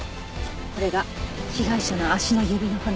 これが被害者の足の指の骨。